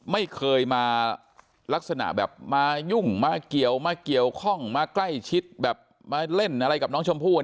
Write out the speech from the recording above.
ไม่เคยมาลักษณะแบบมายุ่งมาเกี่ยวมาเกี่ยวข้องมาใกล้ชิดแบบมาเล่นอะไรกับน้องชมพู่